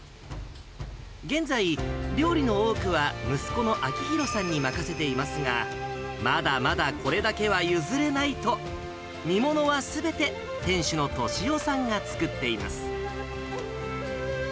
現在、料理の多くは息子の明弘さんに任せていますが、まだまだこれだけは譲れないと、煮物はすべて店主の俊雄さんが作っています。